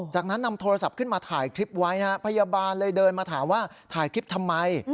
จากนั้นนำโทรศัพท์ขึ้นมาถ่ายคลิปไว้นะฮะพยาบาลเลยเดินมาถามว่าถ่ายคลิปทำไม